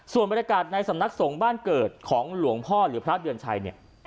ส่วนบรรยากาศในสำนักสงฆ์บ้านเกิดของหลวงพ่อหรือพระเดือนชัยเนี่ย